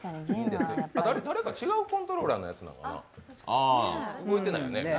誰か違うコントローラーのやつなのかな？